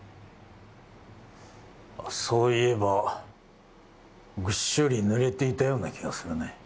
そう言えばぐっしょり濡れていたような気がするね。